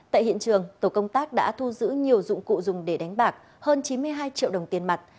tại hiện trường tổ công tác đã thu giữ nhiều dụng cụ dùng để đánh bạc hơn chín mươi hai triệu đồng tiền mặt